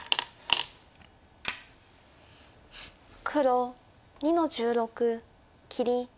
黒２の十六切り。